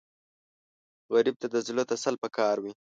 غریب ته د زړه تسل پکار وي